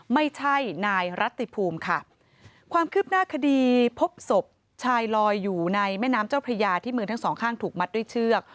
ไม่ใช่นายรัติภูมิค่ะความคืบหน้าคดีพบศพชายลอยอยู่ในแม่น้ำเจ้าพระยาที่มือทั้งสองข้างถูกมัดด้วยเชือก